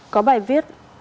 có bài viết